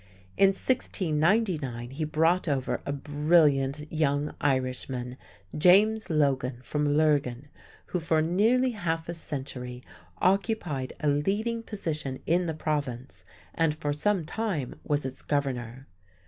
In 1699 he brought over a brilliant young Irishman, James Logan from Lurgan, who for nearly half a century occupied a leading position in the Province and for some time was its governor.